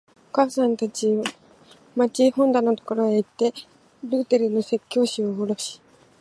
お母さんはたちまち本棚のところへいって、ルーテルの説教集をおろし、